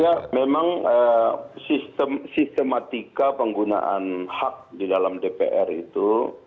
ya memang sistematika penggunaan hak di dalam dpr itu